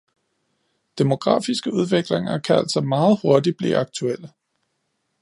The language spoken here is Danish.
Demografiske udviklinger kan altså meget hurtigt blive aktuelle.